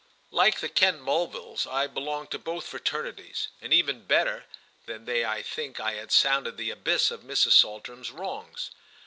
Like the Kent Mulvilles I belonged to both fraternities, and even better than they I think I had sounded the abyss of Mrs. Saltram's wrongs.